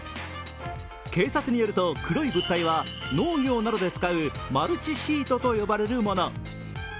警察によると、黒い物体は農業などで使うマルチシートと呼ばれるもの。